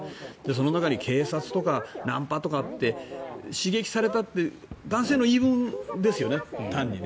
その中に警察とかナンパとかに刺激されたって男性の言い分ですよね単にね。